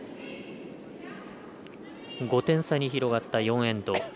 ５点差に広がった４エンド。